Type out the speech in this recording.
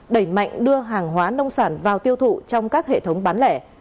đẩy mạnh đưa hàng hóa nông sản vào tiêu thụ trong các hệ thống bán lẻ